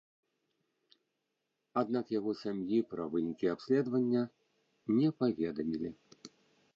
Аднак яго сям'і пра вынікі абследавання не паведамілі.